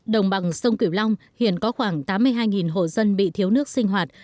đồng bằng sông cửu long hiện có khoảng tám mươi hai hộ dân bị thiếu nước sinh hoạt